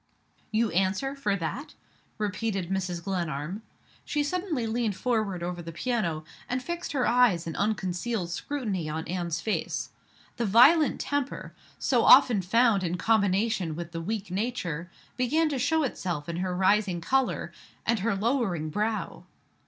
"You answer for that?" repeated Mrs. Glenarm. She suddenly leaned forward over the piano, and fixed her eyes in unconcealed scrutiny on Anne's face. The violent temper, so often found in combination with the weak nature, began to show itself in her rising color, and her lowering brow.